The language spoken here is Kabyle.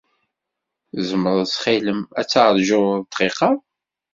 Tzemreḍ ttxil-m ad taṛǧuḍ dqiqa?